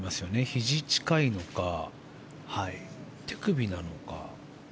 ひじ近いのか手首なのか。